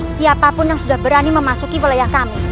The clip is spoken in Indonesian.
siapapun yang sudah berani memasuki wilayah kami